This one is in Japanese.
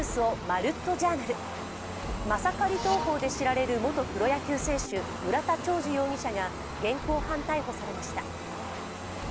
マサカリ投法で知られる元プロ野球選手、村田兆治容疑者が現行犯逮捕されました。